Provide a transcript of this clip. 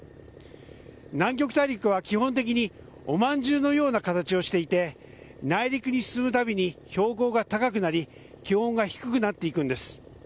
南極大陸は基本的におまんじゅうのような形をしていて内陸に進むたびに標高が高くなり気温が低くなっていくんです。